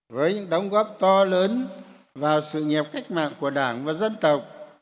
với những đóng góp to lớn vào sự nghiệp cách mạng của đảng và dân tộc